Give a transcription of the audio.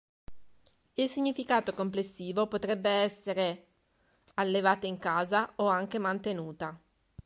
Il significato complessivo potrebbe essere "allevata in casa" o anche "mantenuta".